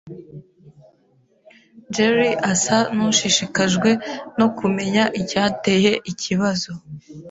jerry asa nushishikajwe no kumenya icyateye ikibazo.